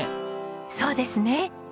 そうですね。